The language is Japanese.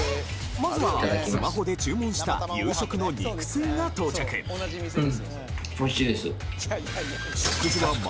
まずはスマホで注文した夕食の肉吸いが到着うん！